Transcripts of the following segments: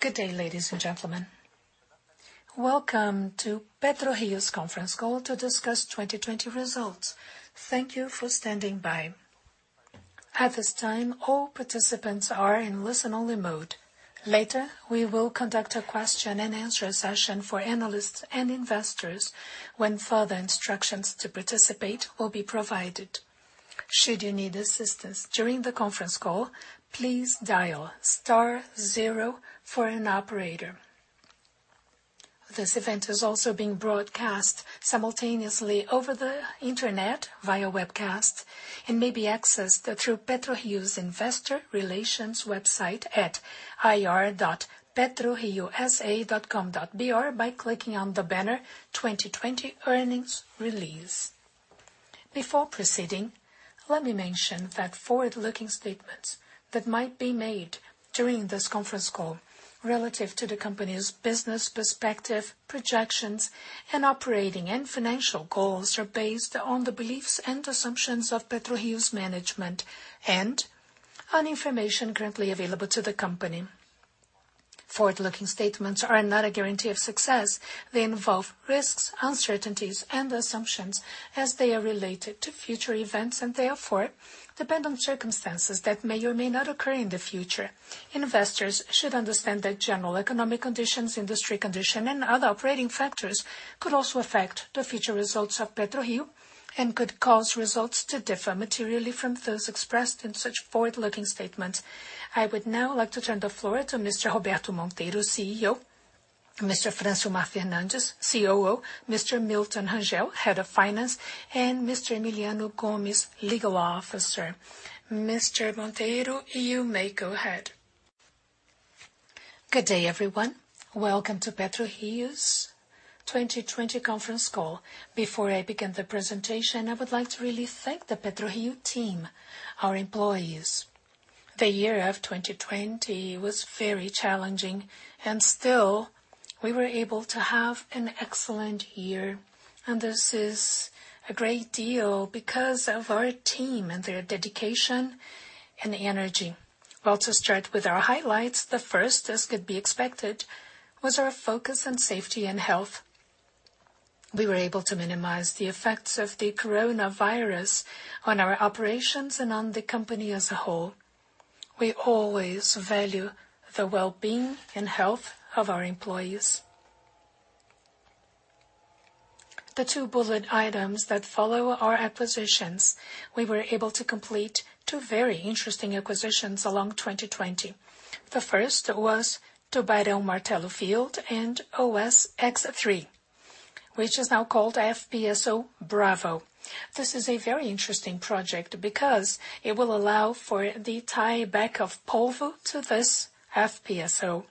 Good day, ladies and gentlemen. Welcome to PetroRio's conference call to discuss 2020 results. Thank you for standing by. At this time, all participants are in listen-only mode. Later, we will conduct a question and answer session for analysts and investors when further instructions to participate will be provided. Should you need assistance during the conference call, please dial star zero for an operator. This event is also being broadcast simultaneously over the internet via webcast and may be accessed through PetroRio's investor relations website at ir.petrorio.com.br by clicking on the banner "2020 Earnings Release." Before proceeding, let me mention that forward-looking statements that might be made during this conference call relative to the company's business perspective, projections, and operating and financial goals are based on the beliefs and assumptions of PetroRio's management and on information currently available to the company. Forward-looking statements are not a guarantee of success. They involve risks, uncertainties, and assumptions as they are related to future events and therefore depend on circumstances that may or may not occur in the future. Investors should understand that general economic conditions, industry condition, and other operating factors could also affect the future results of PetroRio and could cause results to differ materially from those expressed in such forward-looking statements. I would now like to turn the floor to Mr. Roberto Monteiro, Chief Executive Officer, Mr. Francisco Francilmar Fernandes, Chief Operating Officer, Mr. Milton Rangel, Head of Finance, and Mr. Emiliano Gomes, Legal Officer. Mr. Monteiro, you may go ahead. Good day, everyone. Welcome to PetroRio's 2020 conference call. Before I begin the presentation, I would like to really thank the PetroRio team, our employees. The year of 2020 was very challenging, and still, we were able to have an excellent year. This is a great deal because of our team and their dedication and energy. To start with our highlights, the first, as could be expected, was our focus on safety and health. We were able to minimize the effects of the coronavirus on our operations and on the company as a whole. We always value the well-being and health of our employees. The two bullet items that follow are acquisitions. We were able to complete two very interesting acquisitions along 2020. The first was Tubarão Martelo Field and OSX-3, which is now called FPSO Bravo. This is a very interesting project because it will allow for the tieback of Polvo to this FPSO.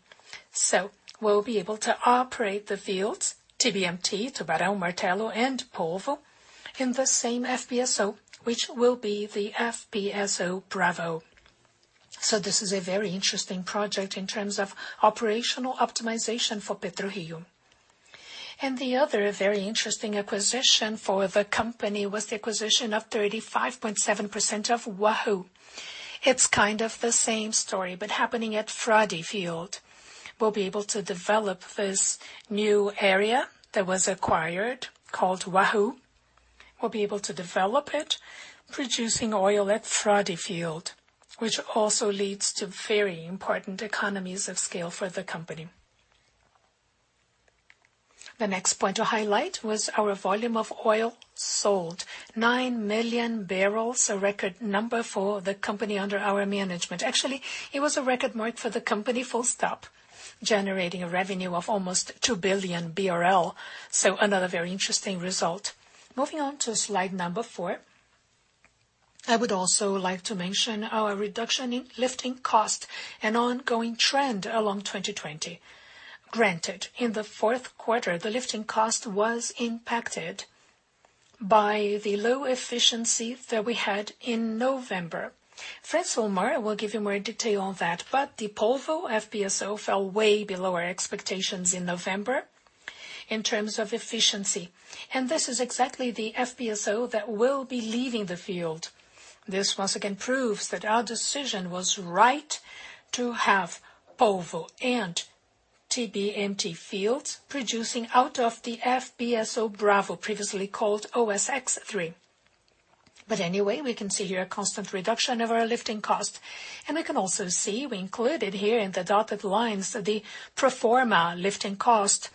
We'll be able to operate the fields, TBMT, Tubarão Martelo, and Polvo, in the same FPSO, which will be the FPSO Bravo. This is a very interesting project in terms of operational optimization for PetroRio. The other very interesting acquisition for the company was the acquisition of 35.7% of Wahoo. It's kind of the same story, but happening at Frade field. We'll be able to develop this new area that was acquired called Wahoo. We'll be able to develop it, producing oil at Frade field, which also leads to very important economies of scale for the company. The next point to highlight was our volume of oil sold, 9 million barrels, a record number for the company under our management. Actually, it was a record mark for the company full stop, generating a revenue of almost 2 billion BRL, so another very interesting result. Moving on to slide number four. I would also like to mention our reduction in lifting cost, an ongoing trend along 2020. Granted, in the fourth quarter, the lifting cost was impacted by the low efficiency that we had in November. Francilmar will give you more detail on that. The Polvo FPSO fell way below our expectations in November in terms of efficiency. This is exactly the FPSO that will be leaving the field. This once again proves that our decision was right to have Polvo and TBMT fields producing out of the FPSO Bravo, previously called OSX-3. Anyway, we can see here a constant reduction of our lifting cost. We can also see, we included here in the dotted lines the pro forma lifting cost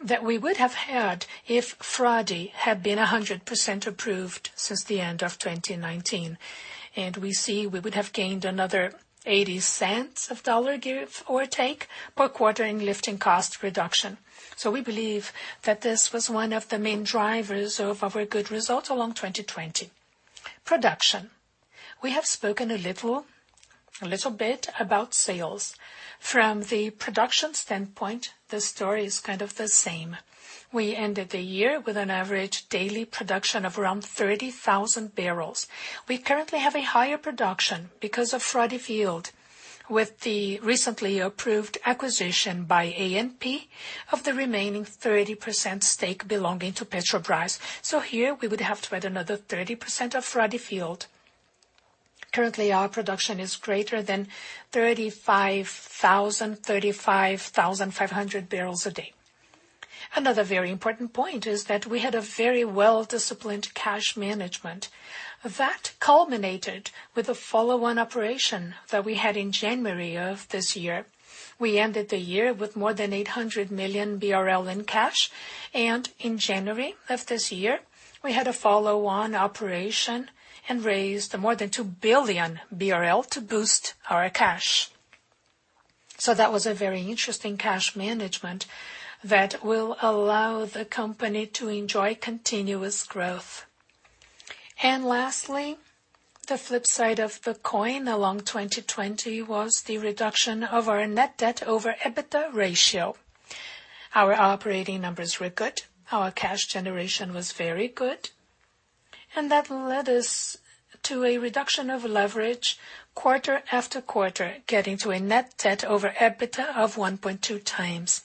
that we would have had if Frade had been 100% approved since the end of 2019. We see we would have gained another $0.80, give or take, per quarter in lifting cost reduction. We believe that this was one of the main drivers of our good result along 2020. Production. We have spoken a little bit about sales. From the production standpoint, the story is kind of the same. We ended the year with an average daily production of around 30,000 bbl. We currently have a higher production because of Frade field with the recently approved acquisition by ANP of the remaining 30% stake belonging to Petrobras. Here we would have to add another 30% of Frade field. Currently, our production is greater than 35,000 bpd-35,500 bpd. Another very important point is that we had a very well-disciplined cash management that culminated with the follow-on operation that we had in January of this year. We ended the year with more than 800 million BRL in cash. In January of this year, we had a follow-on operation and raised more than 2 billion BRL to boost our cash. That was a very interesting cash management that will allow the company to enjoy continuous growth. Lastly, the flip side of the coin along 2020 was the reduction of our net debt over EBITDA ratio. Our operating numbers were good, our cash generation was very good. That led us to a reduction of leverage quarter-after-quarter, getting to a net debt over EBITDA of 1.2x.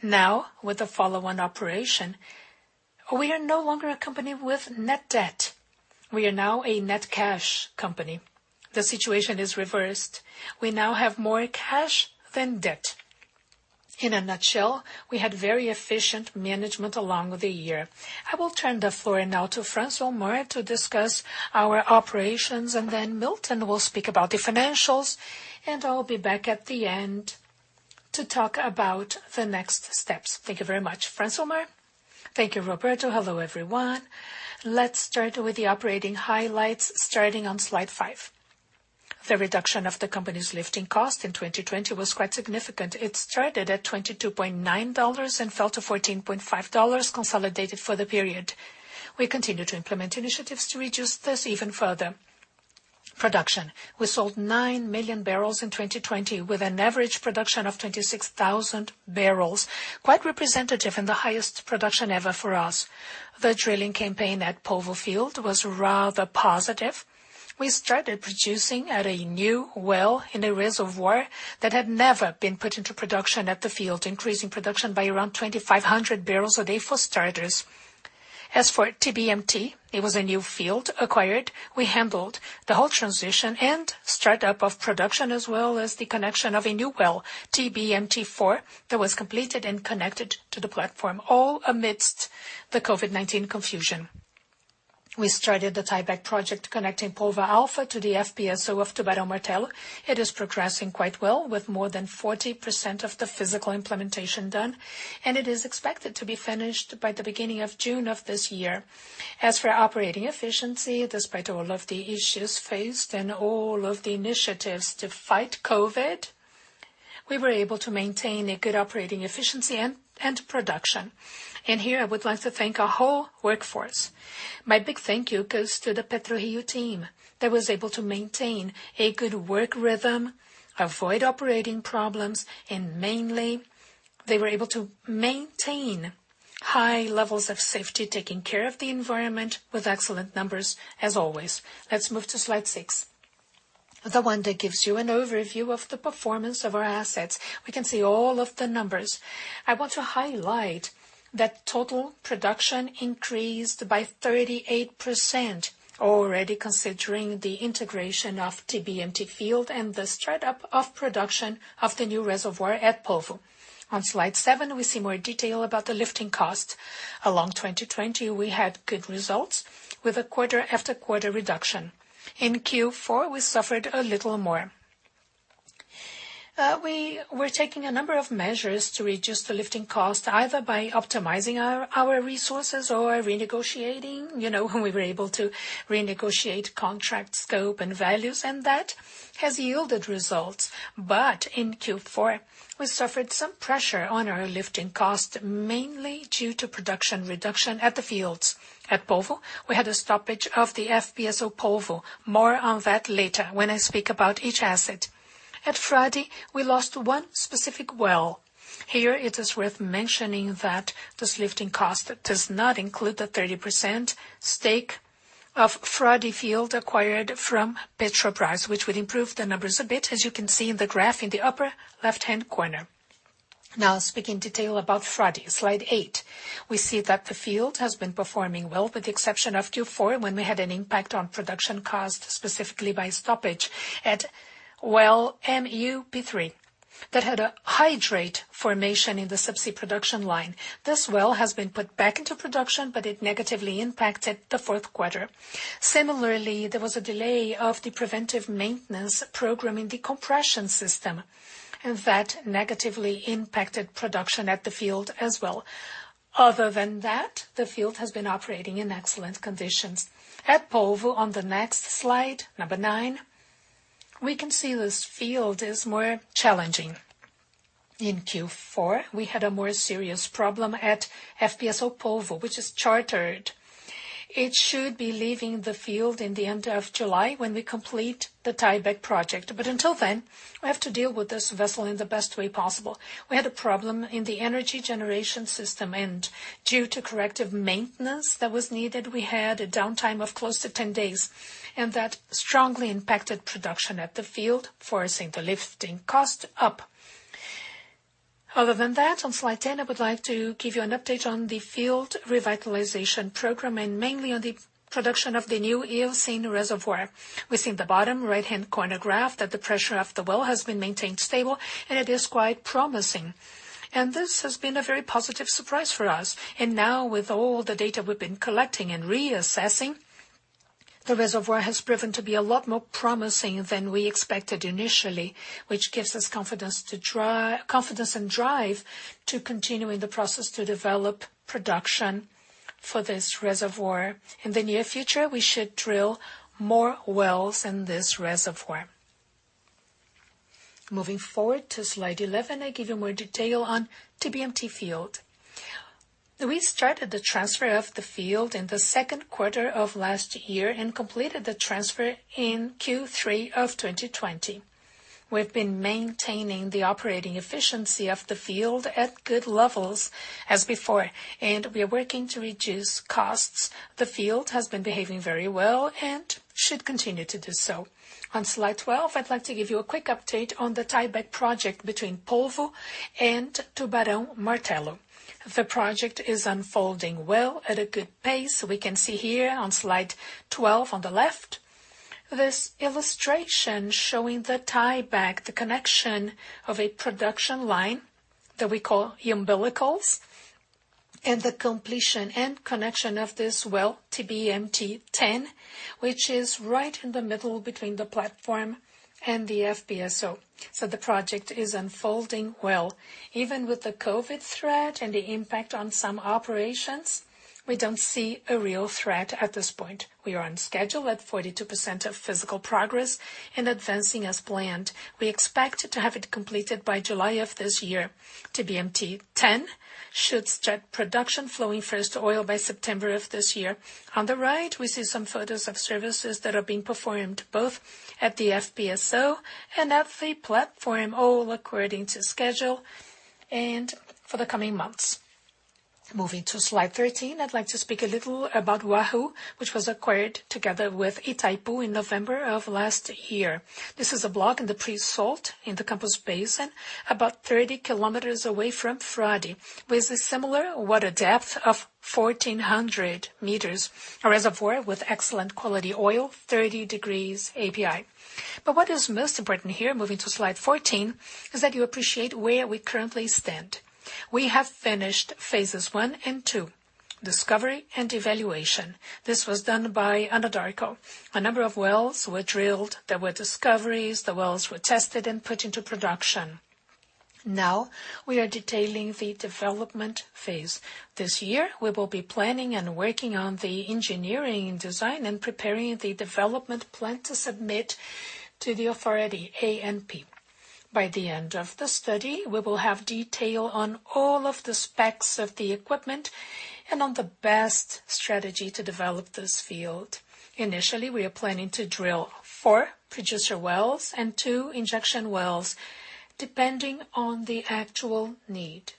Now, with the follow-on operation, we are no longer a company with net debt. We are now a net cash company. The situation is reversed. We now have more cash than debt. In a nutshell, we had very efficient management along the year. I will turn the floor now to Francilmar to discuss our operations, and then Milton will speak about the financials, and I'll be back at the end to talk about the next steps. Thank you very much. Francilmar. Thank you, Roberto. Hello, everyone. Let's start with the operating highlights, starting on slide five. The reduction of the company's lifting cost in 2020 was quite significant. It started at $22.9 and fell to $14.5 consolidated for the period. We continue to implement initiatives to reduce this even further. Production. We sold 9 million barrels in 2020 with an average production of 26,000 bbl, quite representative and the highest production ever for us. The drilling campaign at Polvo Field was rather positive. We started producing at a new well in a reservoir that had never been put into production at the field, increasing production by around 2,500 bpd for starters. As for TBMT, it was a new field acquired. We handled the whole transition and start-up of production, as well as the connection of a new well, TBMT-4, that was completed and connected to the platform, all amidst the COVID-19 confusion. We started the tieback project connecting Polvo Alpha to the FPSO of Tubarão Martelo. It is progressing quite well, with more than 40% of the physical implementation done, and it is expected to be finished by the beginning of June of this year. As for operating efficiency, despite all of the issues faced and all of the initiatives to fight COVID, we were able to maintain a good operating efficiency and production. Here I would like to thank our whole workforce. My big thank you goes to the PetroRio team that was able to maintain a good work rhythm, avoid operating problems, and mainly, they were able to maintain high levels of safety, taking care of the environment with excellent numbers as always. Let's move to slide six, the one that gives you an overview of the performance of our assets. We can see all of the numbers. I want to highlight that total production increased by 38%, already considering the integration of TBMT field and the start-up of production of the new reservoir at Polvo. On slide seven, we see more detail about the lifting cost. Along 2020, we had good results with a quarter-after-quarter reduction. In Q4, we suffered a little more. We were taking a number of measures to reduce the lifting cost, either by optimizing our resources or renegotiating, when we were able to renegotiate contract scope and values, and that has yielded results. In Q4, we suffered some pressure on our lifting cost, mainly due to production reduction at the fields. At Polvo, we had a stoppage of the FPSO Polvo. More on that later when I speak about each asset. At Frade, we lost one specific well. Here it is worth mentioning that this lifting cost does not include the 30% stake of Frade field acquired from Petrobras, which would improve the numbers a bit, as you can see in the graph in the upper left-hand corner. Speaking in detail about Frade, slide eight. We see that the field has been performing well, with the exception of Q4, when we had an impact on production cost, specifically by stoppage at well MUP3A that had a hydrate formation in the subsea production line. This well has been put back into production, but it negatively impacted the fourth quarter. Similarly, there was a delay of the preventive maintenance program in the compression system, and that negatively impacted production at the field as well. Other than that, the field has been operating in excellent conditions. At Polvo on the next slide, number nine, we can see this field is more challenging. In Q4, we had a more serious problem at FPSO Polvo, which is chartered. It should be leaving the field in the end of July when we complete the tieback project. Until then, we have to deal with this vessel in the best way possible. We had a problem in the energy generation system. Due to corrective maintenance that was needed, we had a downtime of close to 10 days. That strongly impacted production at the field, forcing the lifting cost up. Other than that, on slide 10, I would like to give you an update on the field revitalization program. Mainly on the production of the new Eocene reservoir. We see in the bottom right-hand corner graph that the pressure of the well has been maintained stable. It is quite promising. This has been a very positive surprise for us. Now with all the data we've been collecting and reassessing, the reservoir has proven to be a lot more promising than we expected initially, which gives us confidence and drive to continue in the process to develop production for this reservoir. In the near future, we should drill more wells in this reservoir. Moving forward to slide 11, I give you more detail on TBMT Field. We started the transfer of the field in the second quarter of last year and completed the transfer in Q3 of 2020. We've been maintaining the operating efficiency of the field at good levels as before, and we are working to reduce costs. The field has been behaving very well and should continue to do so. On slide 12, I'd like to give you a quick update on the tieback project between Polvo and Tubarão Martelo. The project is unfolding well at a good pace. We can see here on slide 12 on the left, this illustration showing the tieback, the connection of a production line that we call umbilicals, and the completion and connection of this well, TBMT-10, which is right in the middle between the platform and the FPSO. The project is unfolding well. Even with the COVID threat and the impact on some operations, we don't see a real threat at this point. We are on schedule at 42% of physical progress and advancing as planned. We expect to have it completed by July of this year. TBMT-10 should start production flowing first oil by September of this year. On the right, we see some photos of services that are being performed, both at the FPSO and at the platform, all according to schedule and for the coming months. Moving to slide 13, I'd like to speak a little about Wahoo, which was acquired together with Itaipu in November of last year. This is a block in the pre-salt in the Campos Basin, about 30 km away from Frade, with a similar water depth of 1,400 m. A reservoir with excellent quality oil, 30 degrees API. What is most important here, moving to slide 14, is that you appreciate where we currently stand. We have finished phases I and II, discovery and evaluation. This was done by Anadarko. A number of wells were drilled. There were discoveries. The wells were tested and put into production. Now we are detailing the development phase. This year, we will be planning and working on the engineering and design and preparing the development plan to submit to the authority, ANP. By the end of the study, we will have detail on all of the specs of the equipment and on the best strategy to develop this field. Initially, we are planning to drill four producer wells and two injection wells, depending on the actual need.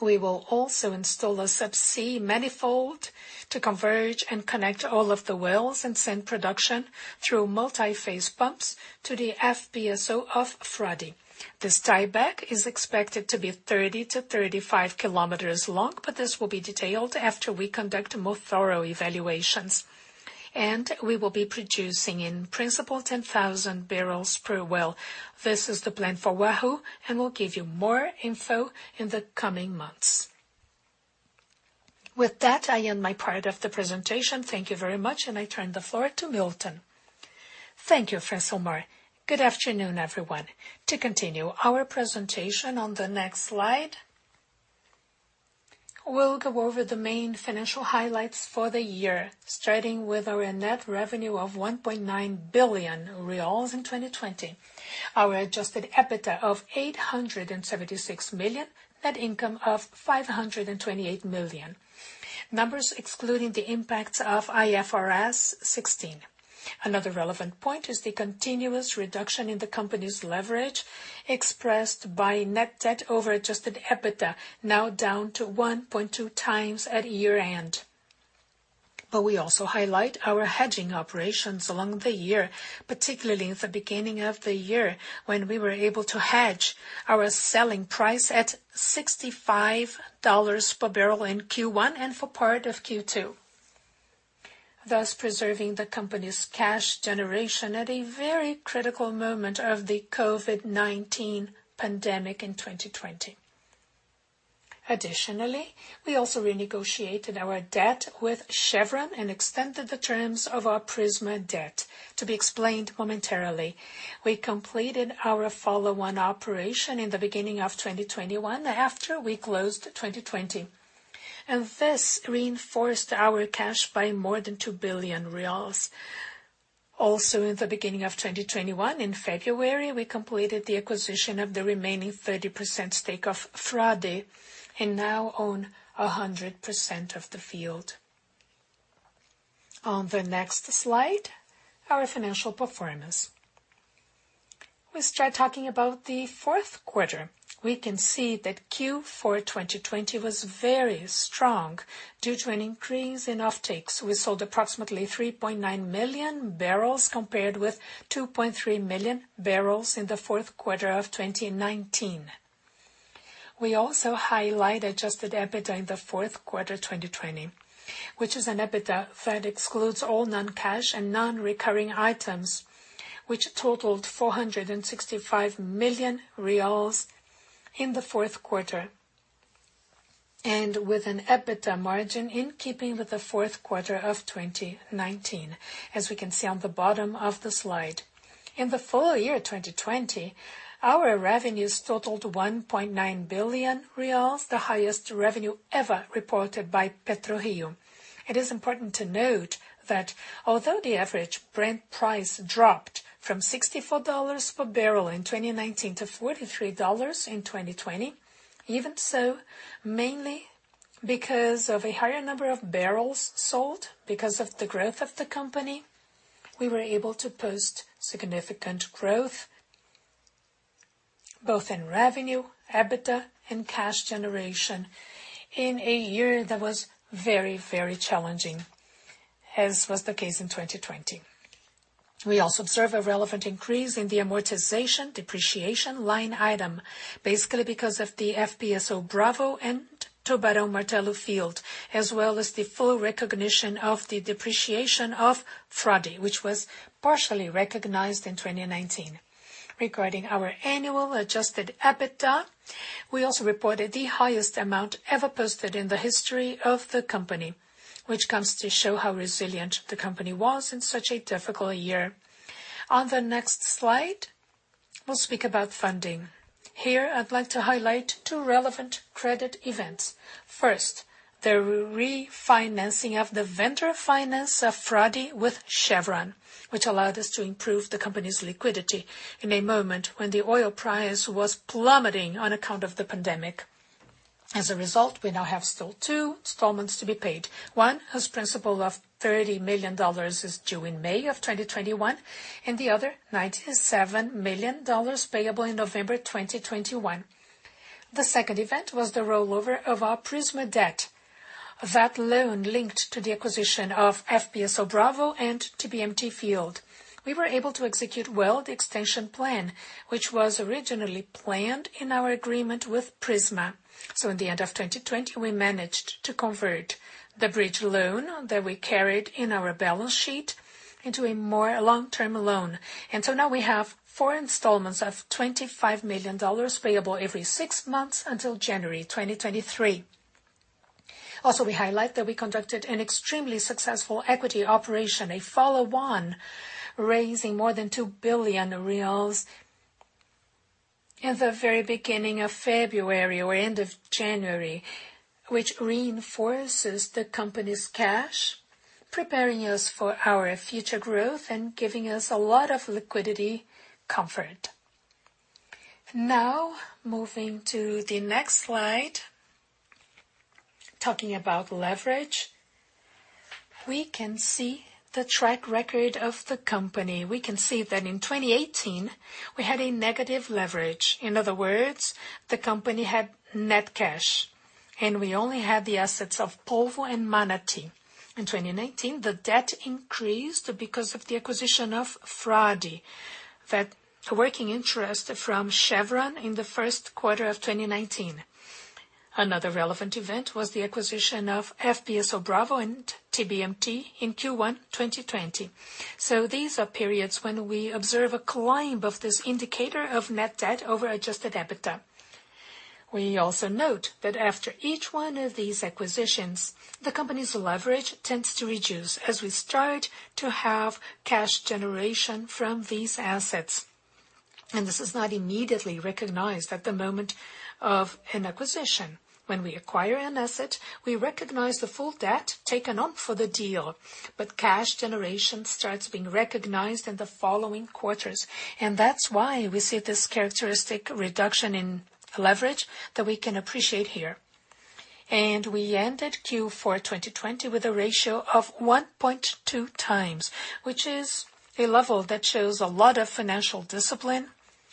We will also install a subsea manifold to converge and connect all of the wells and send production through multi-phase pumps to the FPSO of Frade. This tieback is expected to be 30 km-35 km long, but this will be detailed after we conduct more thorough evaluations. We will be producing in principle 10,000 bbl per well. We'll give you more info in the coming months. With that, I end my part of the presentation. Thank you very much, and I turn the floor to Milton. Thank you, Francilmar. Good afternoon, everyone. To continue our presentation on the next slide, we'll go over the main financial highlights for the year, starting with our net revenue of 1.9 billion reais in 2020. Our Adjusted EBITDA of 876 million, net income of 528 million. Numbers excluding the impacts of IFRS 16. Another relevant point is the continuous reduction in the company's leverage, expressed by net debt over Adjusted EBITDA, now down to 1.2x at year-end. We also highlight our hedging operations along the year, particularly in the beginning of the year, when we were able to hedge our selling price at $65 per barrel in Q1 and for part of Q2, thus preserving the company's cash generation at a very critical moment of the COVID-19 pandemic in 2020. Additionally, we also renegotiated our debt with Chevron and extended the terms of our Prisma debt to be explained momentarily. We completed our follow-on operation in the beginning of 2021 after we closed 2020. This reinforced our cash by more than BRL 2 billion. Also in the beginning of 2021, in February, we completed the acquisition of the remaining 30% stake of Frade and now own 100% of the field. On the next slide, our financial performance. We start talking about the fourth quarter. We can see that Q4 2020 was very strong due to an increase in offtakes. We sold approximately 3.9 million barrels compared with 2.3 million barrels in the fourth quarter of 2019. We also highlight Adjusted EBITDA in the fourth quarter 2020, which is an EBITDA that excludes all non-cash and non-recurring items, which totaled BRL 465 million in the fourth quarter, and with an EBITDA margin in keeping with the fourth quarter of 2019, as we can see on the bottom of the slide. In the full year 2020, our revenues totaled 1.9 billion reais, the highest revenue ever reported by PetroRio. It is important to note that although the average Brent price dropped from $64 per barrel in 2019 to $43 in 2020, even so, mainly because of a higher number of barrels sold, because of the growth of the company, we were able to post significant growth both in revenue, EBITDA, and cash generation in a year that was very challenging, as was the case in 2020. We also observe a relevant increase in the amortization depreciation line item, basically because of the FPSO Bravo and Tubarão Martelo field, as well as the full recognition of the depreciation of Frade, which was partially recognized in 2019. Regarding our annual Adjusted EBITDA, we also reported the highest amount ever posted in the history of the company, which comes to show how resilient the company was in such a difficult year. On the next slide, we'll speak about funding. Here, I'd like to highlight two relevant credit events. First, the refinancing of the vendor finance of Frade with Chevron, which allowed us to improve the company's liquidity in a moment when the oil price was plummeting on account of the pandemic. As a result, we now have still two installments to be paid. One whose principal of $30 million is due in May of 2021, and the other, $97 million payable in November 2021. The second event was the rollover of our Prisma debt, that loan linked to the acquisition of FPSO Bravo and TBMT Field. We were able to execute well the extension plan, which was originally planned in our agreement with Prisma. At the end of 2020, we managed to convert the bridge loan that we carried in our balance sheet into a more long-term loan. Now we have four installments of $25 million payable every six months until January 2023. We highlight that we conducted an extremely successful equity operation, a follow-on, raising more than 2 billion reais in the very beginning of February or end of January, which reinforces the company's cash, preparing us for our future growth and giving us a lot of liquidity comfort. Moving to the next slide. Talking about leverage, we can see the track record of the company. We can see that in 2018, we had a negative leverage. In other words, the company had net cash, and we only had the assets of Polvo and Manati. In 2019, the debt increased because of the acquisition of Frade, that working interest from Chevron in the first quarter of 2019. Another relevant event was the acquisition of FPSO Bravo and TBMT in Q1 2020. These are periods when we observe a climb of this indicator of net debt over Adjusted EBITDA. We also note that after each one of these acquisitions, the company's leverage tends to reduce as we start to have cash generation from these assets. This is not immediately recognized at the moment of an acquisition. When we acquire an asset, we recognize the full debt taken on for the deal, but cash generation starts being recognized in the following quarters. That's why we see this characteristic reduction in leverage that we can appreciate here. We ended Q4 2020 with a ratio of 1.2x, which is a level that shows a lot of financial discipline,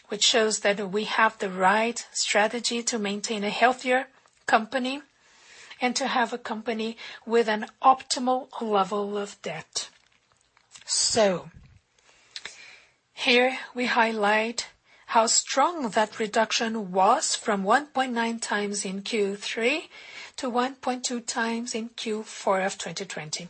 which shows that we have the right strategy to maintain a healthier company and to have a company with an optimal level of debt. Here we highlight how strong that reduction was from 1.9x in Q3 to 1.2x in Q4 of 2020.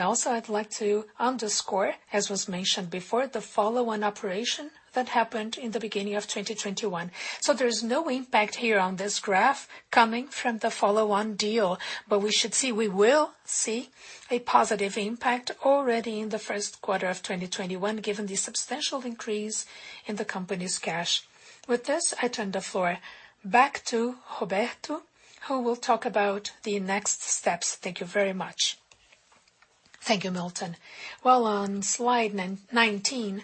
Also, I'd like to underscore, as was mentioned before, the follow-on operation that happened in the beginning of 2021. There's no impact here on this graph coming from the follow-on deal. We will see a positive impact already in the first quarter of 2021, given the substantial increase in the company's cash. With this, I turn the floor back to Roberto, who will talk about the next steps. Thank you very much. Thank you, Milton. Well, on slide 19,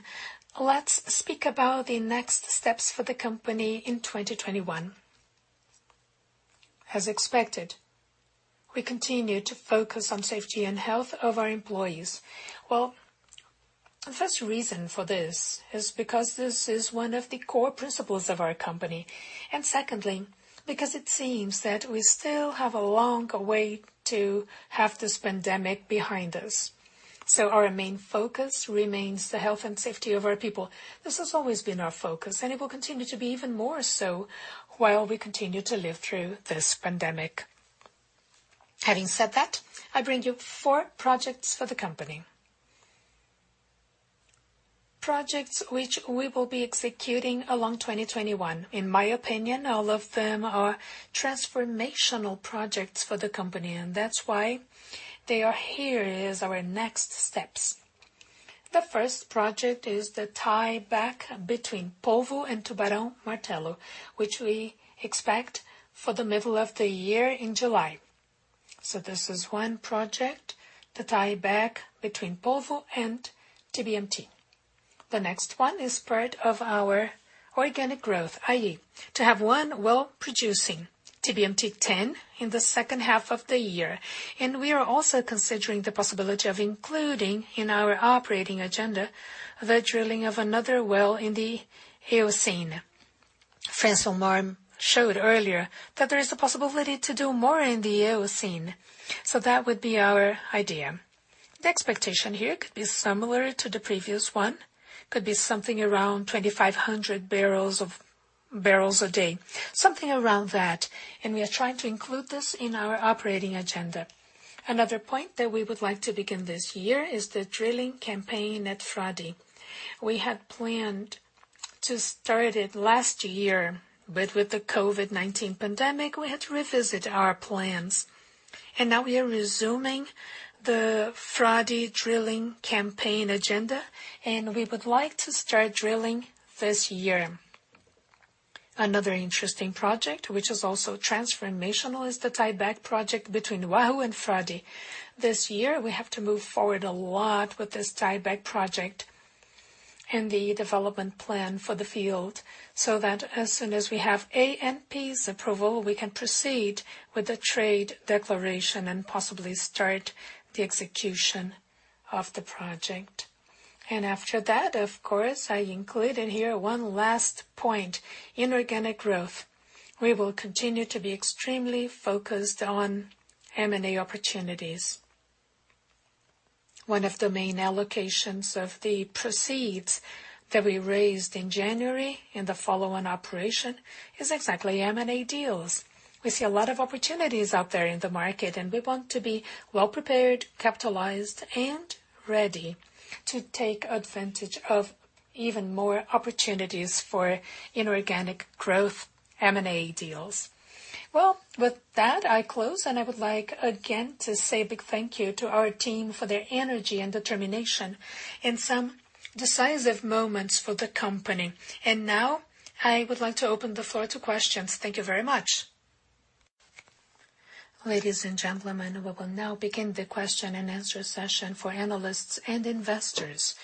let's speak about the next steps for the company in 2021. As expected, we continue to focus on safety and health of our employees. Well, the first reason for this is because this is one of the core principles of our company, and secondly, because it seems that we still have a long way to have this pandemic behind us. Our main focus remains the health and safety of our people. This has always been our focus, and it will continue to be even more so while we continue to live through this pandemic. Having said that, I bring you four projects for the company. Projects which we will be executing along 2021. In my opinion, all of them are transformational projects for the company, and that's why they are here as our next steps. The first project is the tieback between Polvo and Tubarão Martelo, which we expect for the middle of the year in July. This is one project, the tieback between Polvo and TBMT. The next one is part of our organic growth, i.e., to have one well producing TBMT-10 in the second half of the year. We are also considering the possibility of including in our operating agenda the drilling of another well in the Eocene. Francisco Francilmar Fernandes showed earlier that there is a possibility to do more in the Eocene. That would be our idea. The expectation here could be similar to the previous one, could be something around 2,500 bpd, something around that, and we are trying to include this in our operating agenda. Another point that we would like to begin this year is the drilling campaign at Frade. We had planned to start it last year, but with the COVID-19 pandemic, we had to revisit our plans. Now we are resuming the Frade drilling campaign agenda, and we would like to start drilling this year. Another interesting project, which is also transformational, is the tieback project between Wahoo and Frade. This year, we have to move forward a lot with this tieback project and the development plan for the field, so that as soon as we have ANP's approval, we can proceed with the trade declaration and possibly start the execution of the project. After that, of course, I included here one last point, inorganic growth. We will continue to be extremely focused on M&A opportunities. One of the main allocations of the proceeds that we raised in January in the follow-on operation is exactly M&A deals. We see a lot of opportunities out there in the market, and we want to be well-prepared, capitalized, and ready to take advantage of even more opportunities for inorganic growth M&A deals. Well, with that, I close, and I would like again to say a big thank you to our team for their energy and determination in some decisive moments for the company. Now I would like to open the floor to questions. Thank you very much. Ladies and gentlemen, we will now begin the question and answer session for analysts and investors.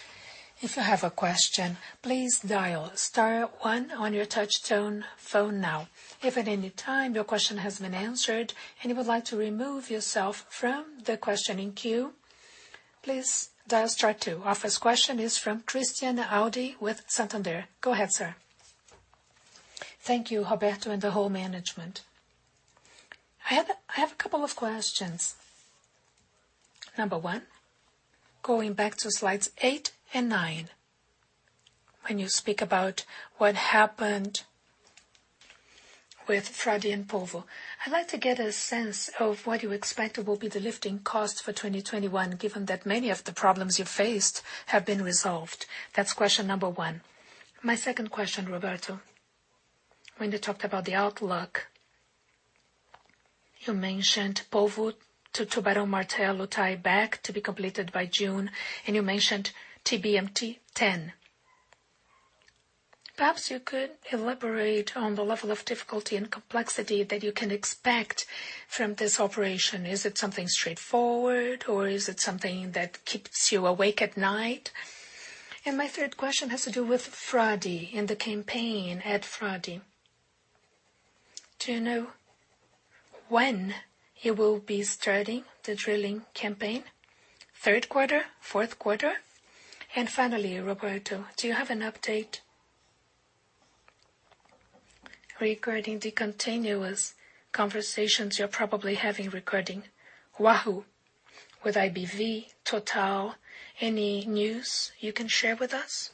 If you have a question, please dial star one on your touch tone phone now. If at any time your question has been answered and you would like to remove yourself from the questioning queue, please dial star two. Our first question is from Christian Audi with Santander. Go ahead, sir. Thank you, Roberto and the whole management. I have a couple of questions. Number one, going back to slides eight and nine, when you speak about what happened with Frade and Polvo, I'd like to get a sense of what you expect will be the lifting cost for 2021, given that many of the problems you faced have been resolved. That's question number one. My second question, Roberto, when you talked about the outlook, you mentioned Polvo to Tubarão Martelo tieback to be completed by June. You mentioned TBMT-10. Perhaps you could elaborate on the level of difficulty and complexity that you can expect from this operation. Is it something straightforward, or is it something that keeps you awake at night? My third question has to do with Frade and the campaign at Frade. Do you know when you will be starting the drilling campaign? Third quarter, fourth quarter? Finally, Roberto, do you have an update regarding the continuous conversations you're probably having regarding Wahoo with IBV, Total? Any news you can share with us?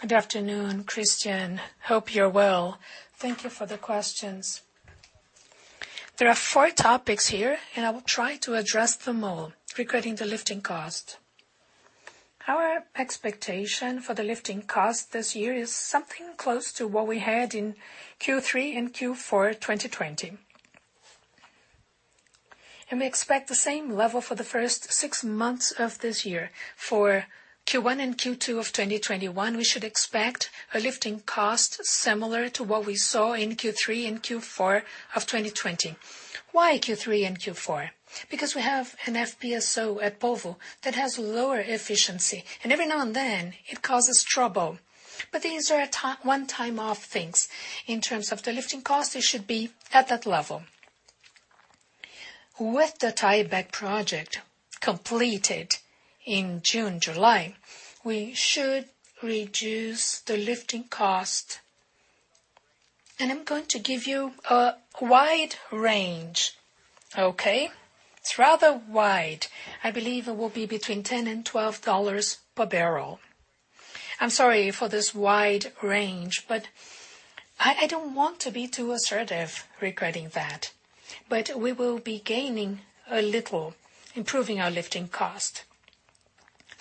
Good afternoon, Christian. Hope you're well. Thank you for the questions. There are four topics here, and I will try to address them all. Regarding the lifting cost, our expectation for the lifting cost this year is something close to what we had in Q3 and Q4 2020. We expect the same level for the first six months of this year. For Q1 and Q2 of 2021, we should expect a lifting cost similar to what we saw in Q3 and Q4 of 2020. Why Q3 and Q4? Because we have an FPSO at Polvo that has lower efficiency, and every now and then it causes trouble. These are one-time off things. In terms of the lifting cost, it should be at that level. With the tieback project completed in June, July, we should reduce the lifting cost. I'm going to give you a wide range. Okay. It's rather wide. I believe it will be between $10 and $12 per barrel. I'm sorry for this wide range. I don't want to be too assertive regarding that. We will be gaining a little, improving our lifting cost.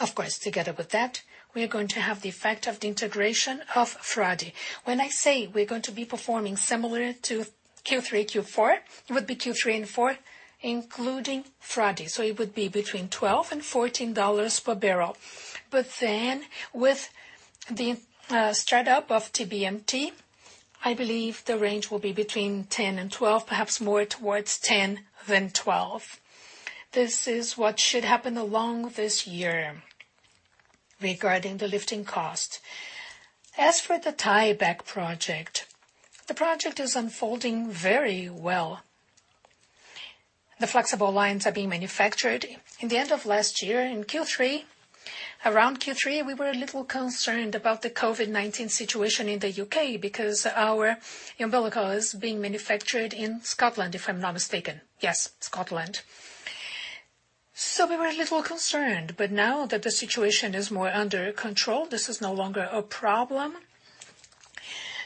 Of course, together with that, we are going to have the effect of the integration of Frade. When I say we're going to be performing similar to Q3, Q4, it would be Q3 and Q4 including Frade. It would be between $12 and $14 per barrel. With the start-up of TBMT, I believe the range will be between $10 and $12, perhaps more towards $10 than $12. This is what should happen along this year regarding the lifting cost. As for the tieback project, the project is unfolding very well. The flexible lines are being manufactured. In the end of last year, in Q3, around Q3, we were a little concerned about the COVID-19 situation in the U.K. because our umbilical is being manufactured in Scotland, if I'm not mistaken. Yes, Scotland. We were a little concerned, but now that the situation is more under control, this is no longer a problem.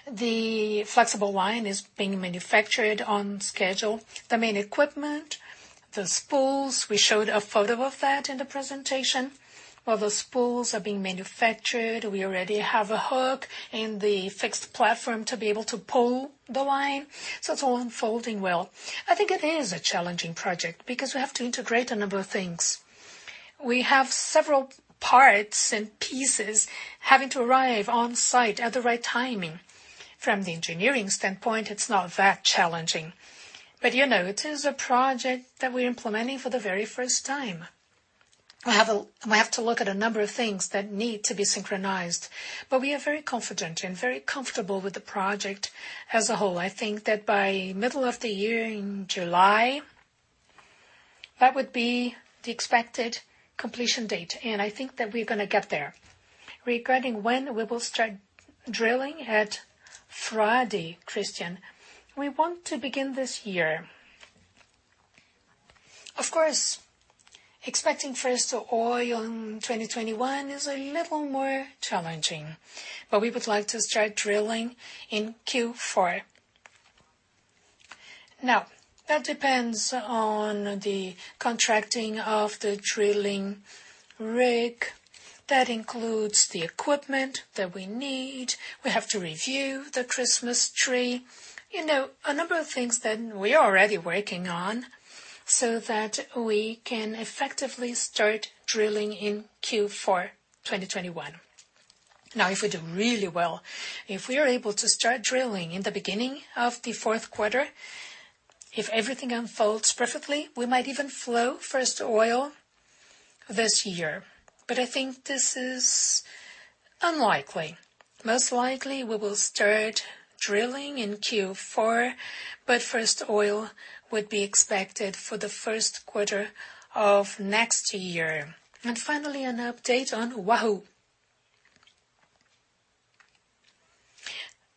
The flexible line is being manufactured on schedule. The main equipment, the spools, we showed a photo of that in the presentation. Well, the spools are being manufactured. We already have a hook in the fixed platform to be able to pull the line, so it's all unfolding well. I think it is a challenging project because we have to integrate a number of things. We have several parts and pieces having to arrive on site at the right timing. From the engineering standpoint, it's not that challenging. It is a project that we're implementing for the very first time. We have to look at a number of things that need to be synchronized. We are very confident and very comfortable with the project as a whole. I think that by middle of the year in July, that would be the expected completion date, and I think that we're going to get there. Regarding when we will start drilling at Frade, Christian, we want to begin this year. Of course, expecting first oil in 2021 is a little more challenging. We would like to start drilling in Q4. That depends on the contracting of the drilling rig. That includes the equipment that we need. We have to review the Christmas tree. A number of things that we are already working on so that we can effectively start drilling in Q4 2021. If we do really well, if we are able to start drilling in the beginning of the fourth quarter, if everything unfolds perfectly, we might even flow first oil this year. I think this is unlikely. Most likely, we will start drilling in Q4, but first oil would be expected for the first quarter of next year. Finally, an update on Wahoo.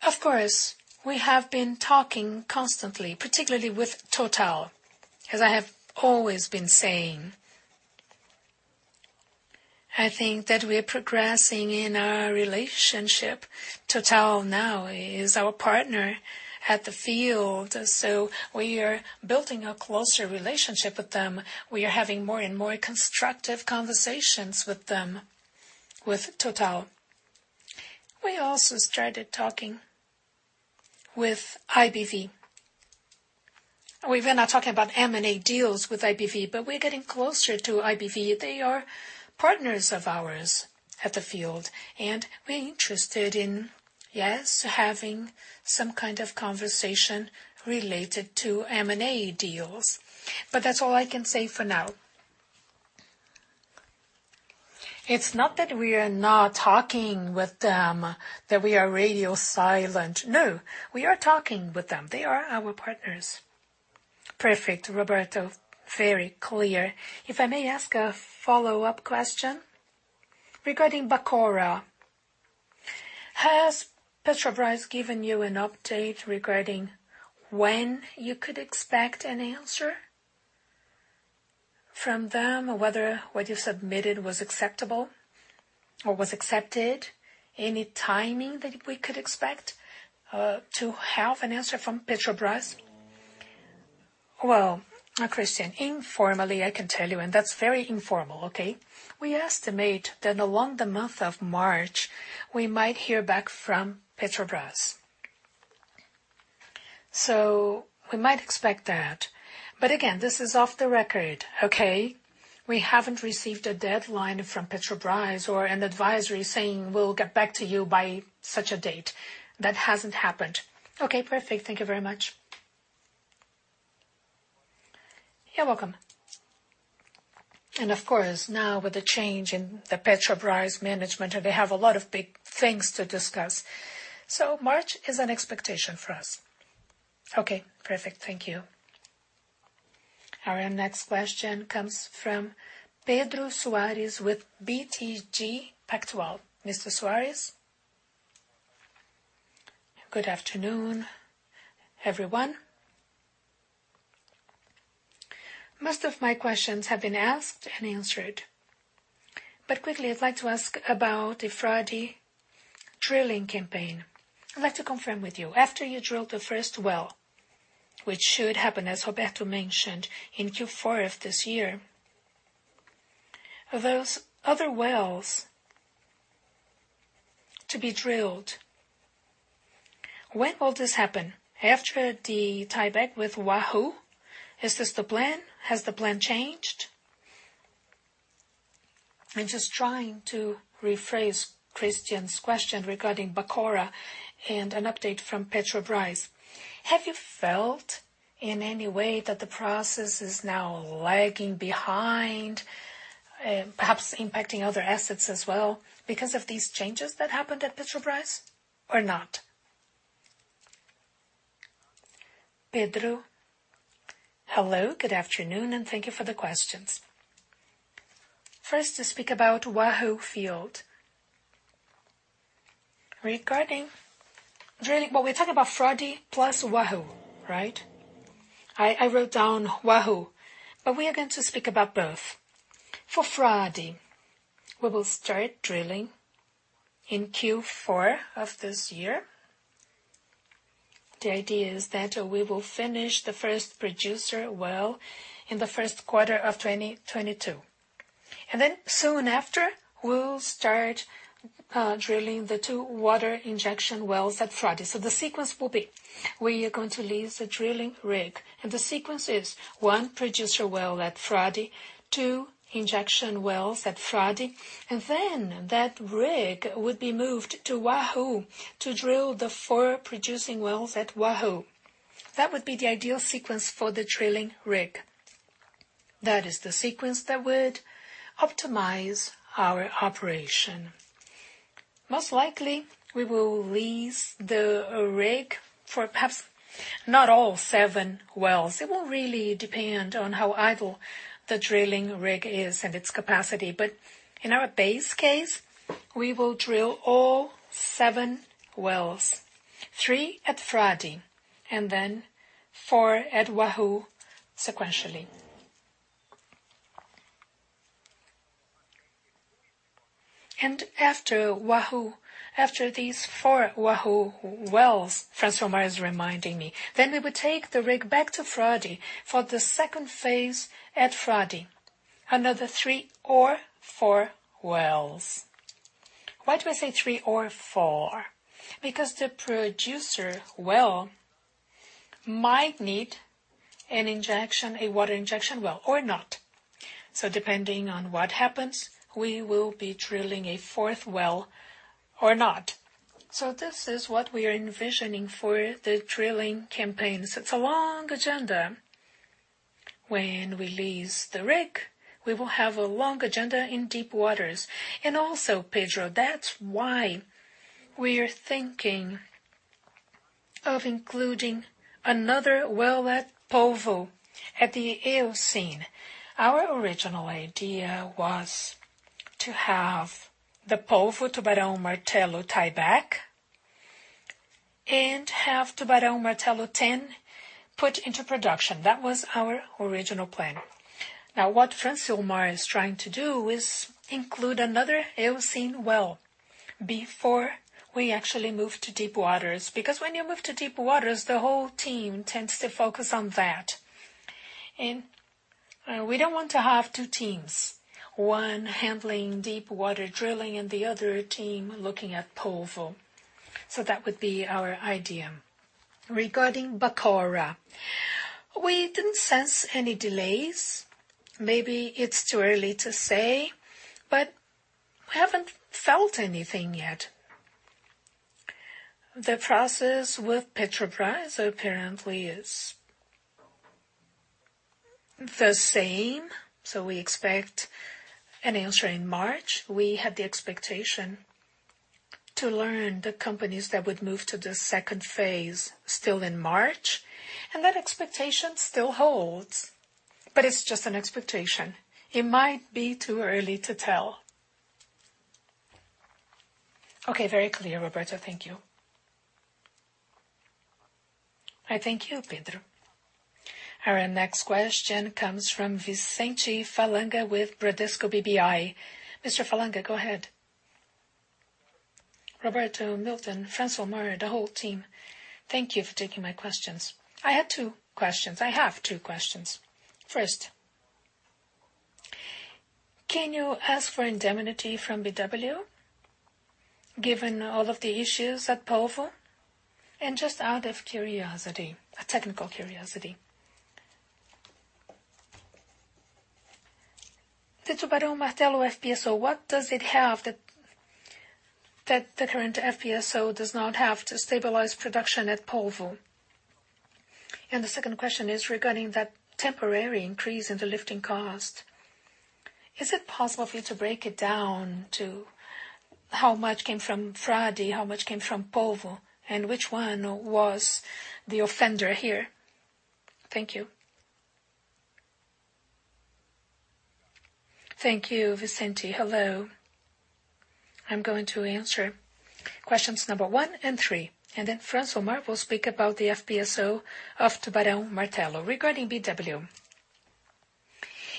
Of course, we have been talking constantly, particularly with Total, as I have always been saying. I think that we are progressing in our relationship. Total now is our partner at the field. We are building a closer relationship with them. We are having more and more constructive conversations with them, with Total. We also started talking with IBV. We are now talking about M&A deals with IBV. We're getting closer to IBV. They are partners of ours at the field. We're interested in, yes, having some kind of conversation related to M&A deals. That's all I can say for now. It's not that we are not talking with them, that we are radio silent. No, we are talking with them. They are our partners. Perfect, Roberto. Very clear. If I may ask a follow-up question regarding Albacora. Has Petrobras given you an update regarding when you could expect an answer from them, whether what you submitted was acceptable or was accepted? Any timing that we could expect to have an answer from Petrobras? Well, Christian, informally, I can tell you, and that's very informal, okay? We estimate that along the month of March, we might hear back from Petrobras. We might expect that. Again, this is off the record, okay? We haven't received a deadline from Petrobras or an advisory saying, "We'll get back to you by such a date." That hasn't happened. Okay, perfect. Thank you very much. You're welcome. Of course, now with the change in the Petrobras management, they have a lot of big things to discuss. March is an expectation for us. Okay, perfect. Thank you. Our next question comes from Pedro Soares with BTG Pactual. Mr. Soares? Good afternoon, everyone. Most of my questions have been asked and answered. Quickly, I'd like to ask about the Frade drilling campaign. I'd like to confirm with you, after you drill the first well, which should happen, as Roberto mentioned, in Q4 of this year. Those other wells to be drilled, when will this happen? After the tieback with Wahoo? Is this the plan? Has the plan changed? I'm just trying to rephrase Christian's question regarding Albacora and an update from Petrobras. Have you felt in any way that the process is now lagging behind, perhaps impacting other assets as well because of these changes that happened at Petrobras or not? Pedro. Hello, good afternoon, and thank you for the questions. First, to speak about Wahoo field. We talk about Frade plus Wahoo, right? I wrote down Wahoo, we are going to speak about both. For Frade, we will start drilling in Q4 of this year. The idea is that we will finish the first producer well in the first quarter of 2022, and then soon after, we'll start drilling the two water injection wells at Frade. The sequence will be, we are going to lease a drilling rig, and the sequence is one producer well at Frade, two injection wells at Frade, and then that rig would be moved to Wahoo to drill the four producing wells at Wahoo. That would be the ideal sequence for the drilling rig. That is the sequence that would optimize our operation. Most likely, we will lease the rig for perhaps not all seven wells. It will really depend on how idle the drilling rig is and its capacity. In our base case, we will drill all seven wells, three at Frade and then four at Wahoo sequentially. After these four Wahoo wells, Francilmar Fernandes is reminding me, then we will take the rig back to Frade for the second phase at Frade, another three or four wells. Why do I say three or four? Because the producer well might need a water injection well or not. Depending on what happens, we will be drilling a fourth well or not. This is what we are envisioning for the drilling campaigns. It is a long agenda. When we lease the rig, we will have a long agenda in deep waters. Also, Pedro, that is why we are thinking of including another well at Polvo at the Eocene. Our original idea was to have the Polvo Tubarão Martelo tieback and have TBMT-10 put into production. That was our original plan. Now, what Francisco Francilmar Fernandes is trying to do is include another Eocene well before we actually move to deep waters, because when you move to deep waters, the whole team tends to focus on that. We don't want to have two teams, one handling deepwater drilling and the other team looking at Polvo. That would be our idea. Regarding Albacora, we didn't sense any delays. Maybe it's too early to say, but we haven't felt anything yet. The process with Petrobras apparently is the same. We expect an answer in March. We had the expectation to learn the companies that would move to the second phase still in March, and that expectation still holds, but it's just an expectation. It might be too early to tell. Okay. Very clear, Roberto. Thank you. I thank you, Pedro. Our next question comes from Vicente Falanga with Bradesco BBI. Mr. Falanga, go ahead. Roberto, Milton, Francisco Francilmar Fernandes, the whole team, thank you for taking my questions. I have two questions. First, can you ask for indemnity from BW given all of the issues at Polvo? Just out of curiosity, a technical curiosity. The Tubarão Martelo FPSO, what does it have that the current FPSO does not have to stabilize production at Polvo? The second question is regarding that temporary increase in the lifting cost. Is it possible for you to break it down to how much came from Frade, how much came from Polvo, and which one was the offender here? Thank you. Thank you, Vicente. Hello. I'm going to answer questions number one and three, and then Francilmar will speak about the FPSO of Tubarão Martelo. Regarding BW,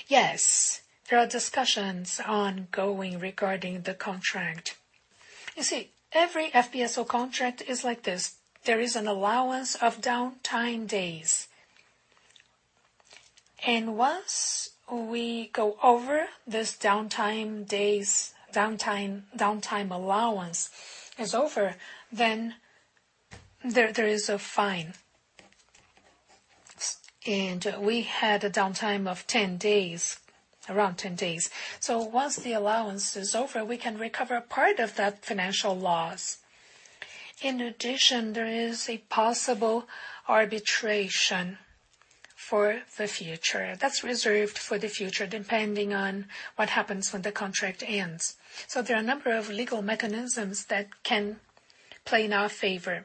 yes, there are discussions ongoing regarding the contract. You see, every FPSO contract is like this. There is an allowance of downtime days, once we go over this downtime days, downtime allowance is over, there is a fine. We had a downtime of around 10 days. Once the allowance is over, we can recover part of that financial loss. In addition, there is a possible arbitration for the future. That's reserved for the future, depending on what happens when the contract ends. There are a number of legal mechanisms that can play in our favor.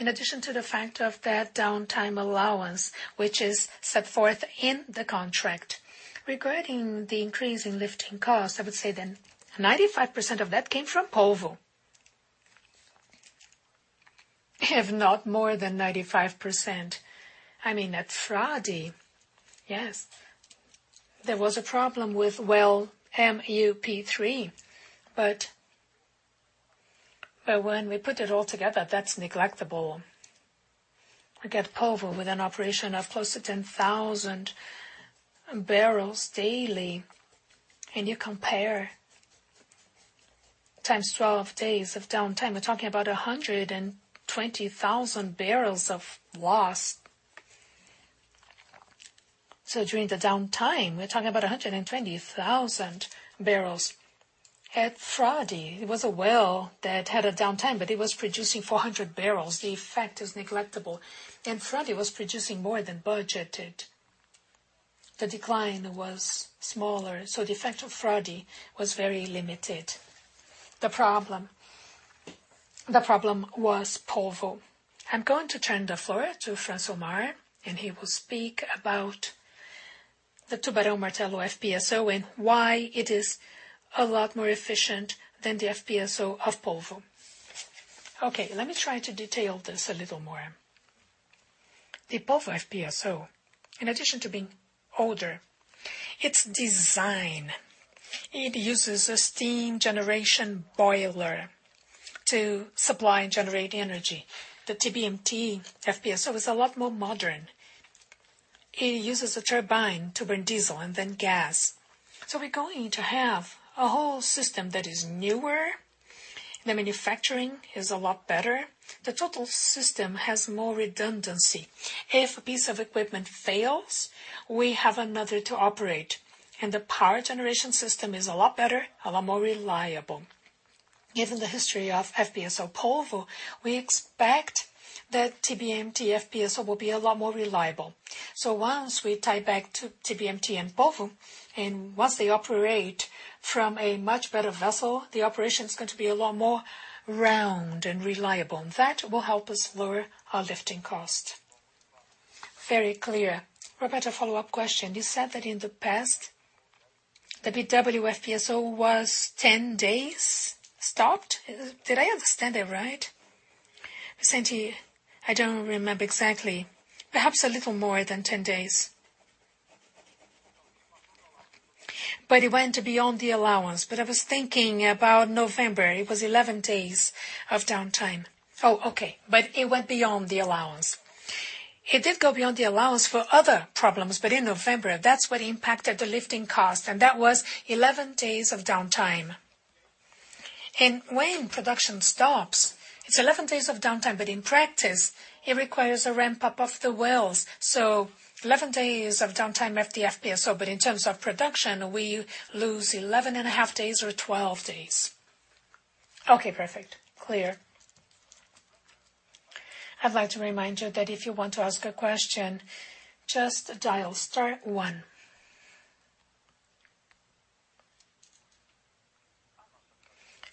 In addition to the fact of that downtime allowance, which is set forth in the contract. Regarding the increase in lifting costs, I would say then 95% of that came from Polvo. If not more than 95%. At Frade, yes, there was a problem with well MUP-03, when we put it all together, that's negligible. We get Polvo with an operation of close to 10,000 bbl daily, and you compare times 12 days of downtime. We're talking about 120,000 bbl of loss. During the downtime, we're talking about 120,000 bbl. At Frade, it was a well that had a downtime, but it was producing 400 bbl. The effect is negligible. Frade was producing more than budgeted. The decline was smaller, the effect of Frade was very limited. The problem was Polvo. I'm going to turn the floor to Francilmar Fernandes, and he will speak about the Tubarão Martelo FPSO and why it is a lot more efficient than the FPSO of Polvo. Let me try to detail this a little more. The Polvo FPSO, in addition to being older, its design, it uses a steam generation boiler to supply and generate energy. The TBMT FPSO is a lot more modern. It uses a turbine to burn diesel and then gas. We're going to have a whole system that is newer. The manufacturing is a lot better. The total system has more redundancy. If a piece of equipment fails, we have another to operate, and the power generation system is a lot better, a lot more reliable. Given the history of FPSO Polvo, we expect that TBMT FPSO will be a lot more reliable. Once we tie back to TBMT and Polvo, and once they operate from a much better vessel, the operation's going to be a lot more round and reliable, and that will help us lower our lifting cost. Very clear. Roberto, follow-up question. You said that in the past, the BW FPSO was 10 days stopped. Did I understand that right? Vicente, I don't remember exactly. Perhaps a little more than 10 days. It went beyond the allowance. I was thinking about November. It was 11 days of downtime. Okay. It went beyond the allowance. It did go beyond the allowance for other problems, but in November, that's what impacted the lifting cost, and that was 11 days of downtime. When production stops, it's 11 days of downtime, but in practice, it requires a ramp-up of the wells. 11 days of downtime at the FPSO, but in terms of production, we lose 11 and a half days or 12 days. Okay, perfect. Clear. I'd like to remind you that if you want to ask a question, just dial star one.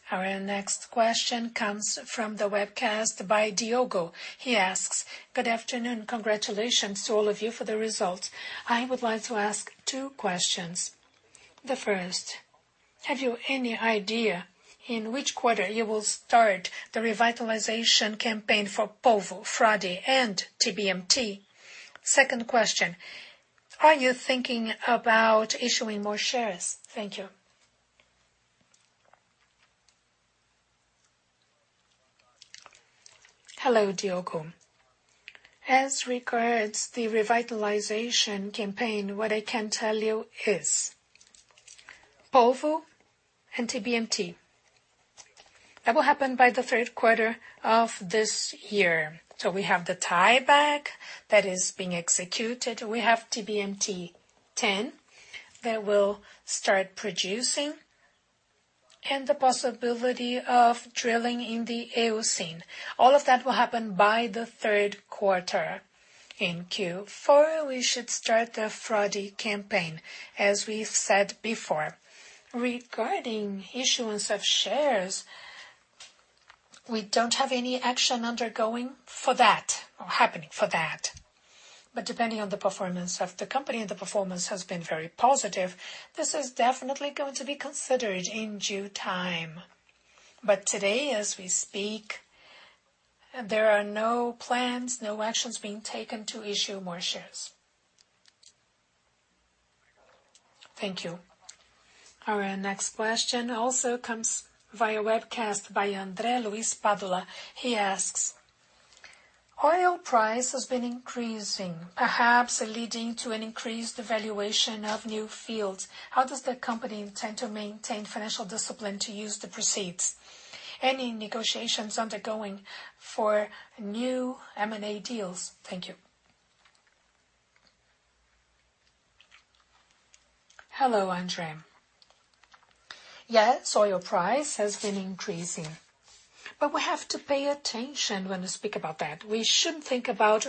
Our next question comes from the webcast by Diogo. He asks, "Good afternoon. Congratulations to all of you for the results. I would like to ask two questions. The first, have you any idea in which quarter you will start the revitalization campaign for Polvo, Frade, and TBMT? Second question, are you thinking about issuing more shares? Thank you. Hello, Diogo. As regards the revitalization campaign, what I can tell you is Polvo and TBMT. That will happen by the third quarter of this year. We have the tieback that is being executed. We have TBMT-10 that will start producing, and the possibility of drilling in the Eocene. All of that will happen by the third quarter. In Q4, we should start the Frade campaign, as we've said before. Regarding issuance of shares we don't have any action undergoing for that or happening for that. Depending on the performance of the company, and the performance has been very positive, this is definitely going to be considered in due time. Today, as we speak, there are no plans, no actions being taken to issue more shares. Thank you. Our next question also comes via webcast by Andre Luis Padilla. He asks: Oil price has been increasing, perhaps leading to an increased valuation of new fields. How does the company intend to maintain financial discipline to use the proceeds? Any negotiations undergoing for new M&A deals? Thank you. Hello, Andre. Yes, oil price has been increasing, we have to pay attention when we speak about that. We shouldn't think about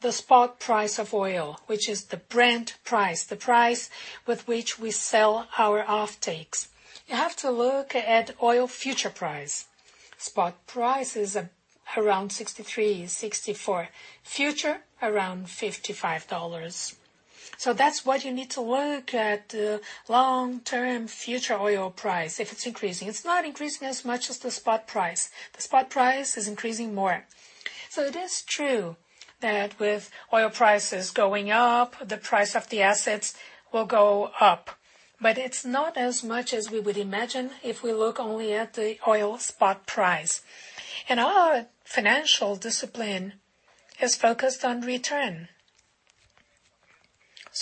the spot price of oil, which is the Brent price, the price with which we sell our offtakes. You have to look at oil future price. Spot price is around $63, $64. Future, around $55. That's what you need to look at the long-term future oil price, if it's increasing. It's not increasing as much as the spot price. The spot price is increasing more. It is true that with oil prices going up, the price of the assets will go up. It's not as much as we would imagine if we look only at the oil spot price. Our financial discipline is focused on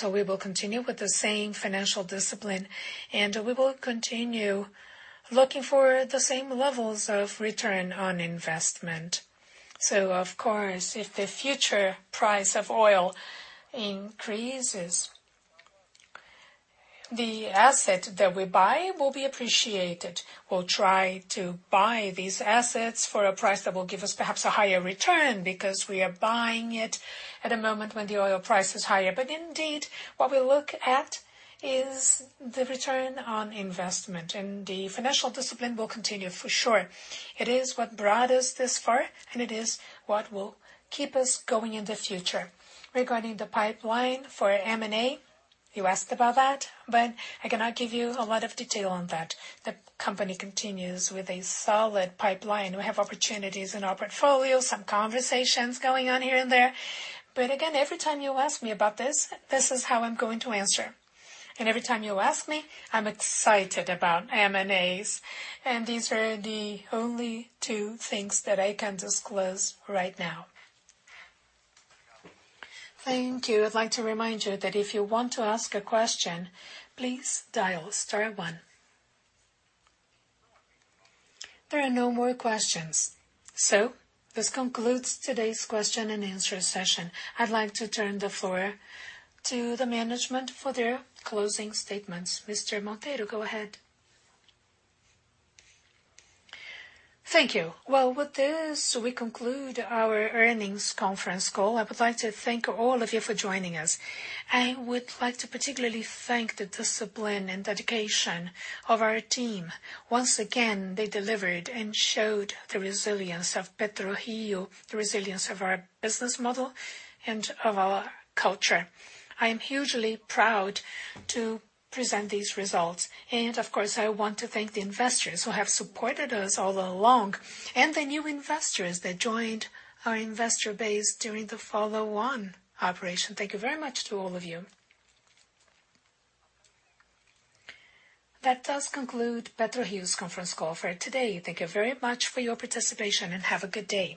return. We will continue with the same financial discipline, and we will continue looking for the same levels of return on investment. Of course, if the future price of oil increases, the asset that we buy will be appreciated. We'll try to buy these assets for a price that will give us perhaps a higher return because we are buying it at a moment when the oil price is higher. Indeed, what we look at is the return on investment, and the financial discipline will continue for sure. It is what brought us this far, and it is what will keep us going in the future. Regarding the pipeline for M&A, you asked about that, but I cannot give you a lot of detail on that. The company continues with a solid pipeline. We have opportunities in our portfolio, some conversations going on here and there. Again, every time you ask me about this is how I'm going to answer. Every time you ask me, I'm excited about M&As. These are the only two things that I can disclose right now. Thank you. I'd like to remind you that if you want to ask a question, please dial star one. There are no more questions. This concludes today's question and answer session. I'd like to turn the floor to the management for their closing statements. Mr. Monteiro, go ahead. Thank you. Well, with this, we conclude our earnings conference call. I would like to thank all of you for joining us. I would like to particularly thank the discipline and dedication of our team. Once again, they delivered and showed the resilience of PetroRio, the resilience of our business model, and of our culture. I am hugely proud to present these results. Of course, I want to thank the investors who have supported us all along and the new investors that joined our investor base during the follow-on operation. Thank you very much to all of you. That does conclude PetroRio's conference call for today. Thank you very much for your participation, and have a good day.